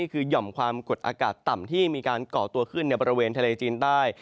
คือหย่อมความกดอากาศต่ำที่มีการก่อตัวขึ้นในบริเวณทะเลจีนใต้